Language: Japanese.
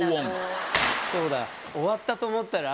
そうだ。